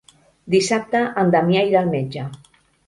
Dissabte en Damià irà al metge.